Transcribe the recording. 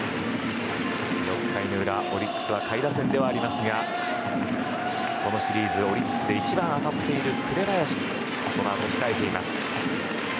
６回の裏、オリックスは下位打線ではありますがこのシリーズオリックスで一番当たっている紅林がこのあと控えます。